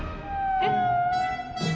えっ？